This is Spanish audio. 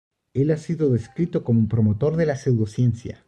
Él ha sido descrito como un promotor de la pseudociencia.